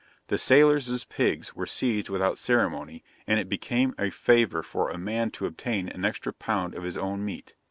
The sailors' pigs were seized without ceremony, and it became a favour for a man to obtain an extra pound of his own meat.